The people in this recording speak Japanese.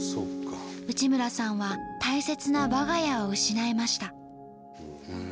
内村さんは大切な我が家を失いました。